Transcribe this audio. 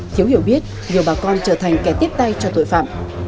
thiếu hiểu biết nhiều bà con trở thành kẻ tiếp tay cho tội phạm